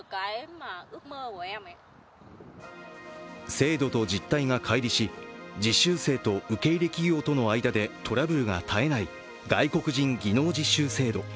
制度と実態が乖離し、実習生と受け入れ企業との間でトラブルが絶えない外国人技能実習制度。